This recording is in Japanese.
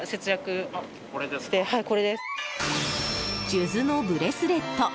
数珠のブレスレット。